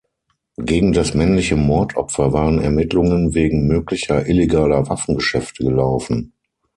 Gegen das männliche Mordopfer waren Ermittlungen wegen möglicher illegaler Waffengeschäfte gelaufen.